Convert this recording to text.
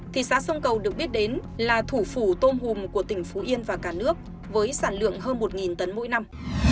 thị xã sông cầu được biết đến là thủ phủ tôm hùm của tỉnh phú yên và cả nước với sản lượng hơn một tấn mỗi năm